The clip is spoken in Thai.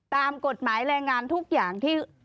ตามกฎหมายแรงงานทุกอย่างที่